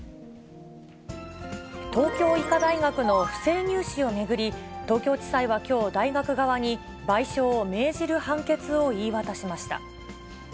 東京医科大学の不正入試を巡り、東京地裁はきょう、大学側に賠償を命じる判決を言い渡しました。